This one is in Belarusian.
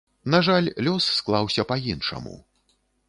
На жаль, лёс склаўся па-іншаму.